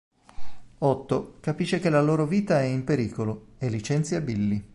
Otto capisce che la loro vita è in pericolo, e licenzia Billy.